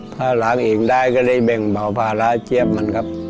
ถ้าล้างเองได้ก็เลยแบ่งเบาภาระเจี๊ยบมันครับ